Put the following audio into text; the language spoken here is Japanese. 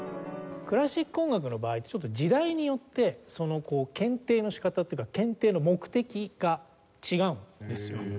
クラシック音楽の場合って時代によって献呈の仕方っていうか献呈の目的が違うんですよ。